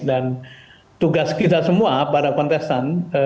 dan tugas kita semua para kontestan